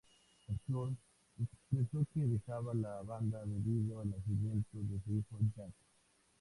Sturm expresó que dejaba la banda debido al nacimiento de su hijo, Jack.